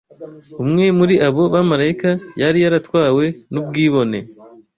Umwe muri abo bamarayika yari yaratwawe n’ubwibone